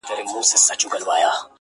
ولې مې کلونه مخکې تلې له زندګۍ